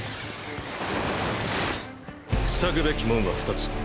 塞ぐべき門は２つ。